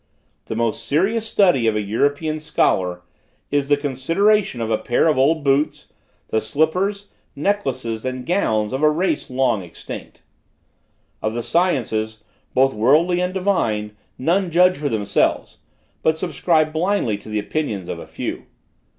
The most serious study of a European scholar, is the consideration of a pair of old boots, the slippers, necklaces and gowns of a race long extinct. Of the sciences, both worldly and divine, none judge for themselves, but subscribe blindly to the opinions of a few.